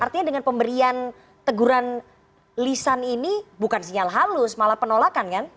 artinya dengan pemberian teguran lisan ini bukan sinyal halus malah penolakan kan